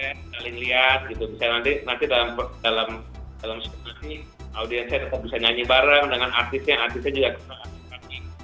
ya saling lihat gitu bisa nanti dalam situasi audiensnya tetap bisa nyanyi bareng dengan artisnya artisnya juga bisa nyanyi bareng